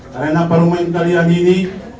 karena perumahan kalian ini